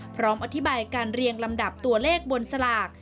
พร้อมอธิบายการเรียงลำดับตัวเลขบนสลาก